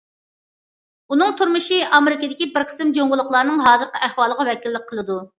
ئۇنىڭ تۇرمۇشى ئامېرىكىدىكى بىر قىسىم جۇڭگولۇقلارنىڭ ھازىرقى ئەھۋالىغا ۋەكىللىك قىلىدۇ.